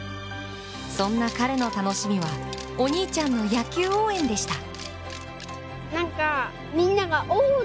そんな彼の楽しみは、お兄ちゃんの野球応援でした。